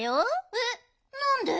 えっなんで？